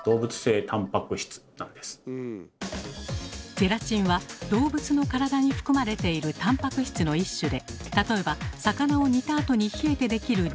ゼラチンは動物の体に含まれているたんぱく質の一種で例えば魚を煮たあとに冷えて出来る煮こごり。